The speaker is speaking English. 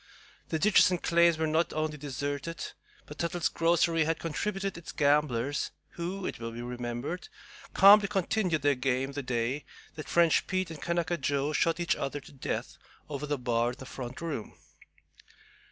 The ditches and claims were not only deserted, but "Tuttle's grocery" had contributed its gamblers, who, it will be remembered, calmly continued their game the day that French Pete and Kanaka Joe shot each other to death over the bar in the front room.